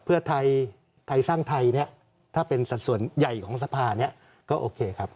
เพื่อไทยไทยสร้างไทยเนี่ยถ้าเป็นสัดส่วนใหญ่ของสภาเนี่ยก็โอเคครับ